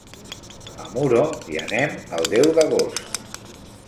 A Muro hi anem el deu d'agost.